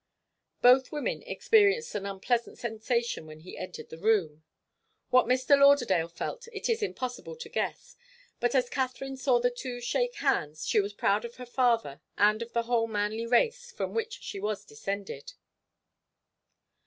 Both women experienced an unpleasant sensation when he entered the room. What Mr. Lauderdale felt it is impossible to guess, but as Katharine saw the two shake hands she was proud of her father and of the whole manly race from which she was descended.